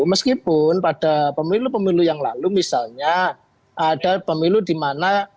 meskipun pada pemilu pemilu yang lalu misalnya ada pemilu di mana